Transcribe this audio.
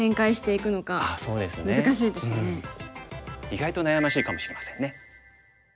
意外と悩ましいかもしれませんね。